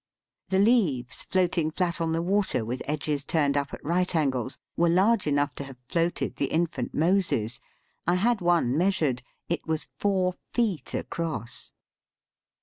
The leaves floating flat on the water with edges turned up at right angles were large enough to have floated the infant Moses. I had one measured; It was four feet across.